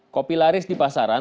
kopi laris di pasaran